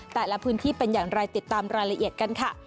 แต่ละพื้นที่เป็นอย่างไรติดตามรายละเอียดกันค่ะ